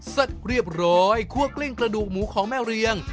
เสร็จเรียบร้อยคั่วกลิ้งกระดูกหมูของแม่เรียง